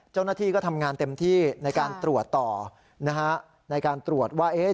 เจ้าหน้าที่ก็ทำงานเต็มที่ในการตรวจต่อนะฮะในการตรวจว่าเอ๊ะ